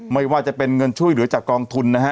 ไม่ว่าจะเป็นเงินช่วยเหลือจากกองทุนนะฮะ